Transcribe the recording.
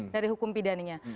dari hukum pidananya